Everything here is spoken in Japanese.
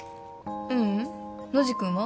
ううんノジ君は？